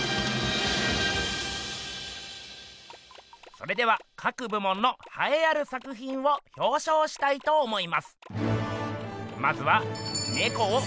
それでは各部門のはえある作品をひょうしょうしたいと思います。